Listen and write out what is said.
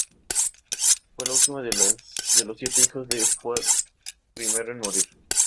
Fue la última de los siete hijos de Fuad I en morir.